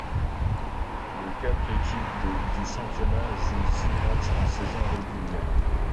Les quatre équipes du championnat jouent six matchs en saison régulière.